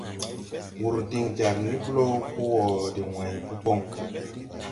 Wur din jar ni blo po wo de wãy po bon.